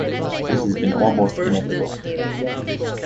This has been almost inevitable.